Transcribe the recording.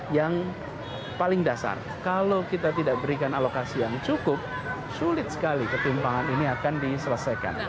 yang paling dasar kalau kita tidak berikan alokasi yang cukup sulit sekali ketimpangan ini akan diselesaikan